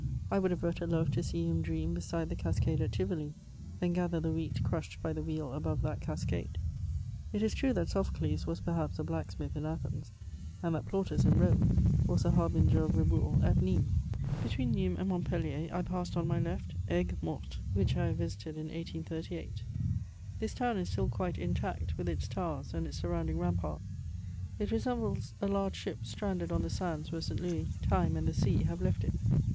I would have better loved to see him dream beside the Cascade at Tivoli than gather the wheat crushed by the wheel above that cascade. It is true that Sophocles was perhaps a blacksmith in Athens, and that Plautus, in Rome, was a harbinger of Reboul at Nîmes. Between Nîmes and Montpellier, I passed, on my left, Aigues Mortes, which I have visited in 1838. This town is still quite intact, with its towers and its surrounding rampart; it resembles a large ship stranded on the sands where St. Louis, time and the sea have left it.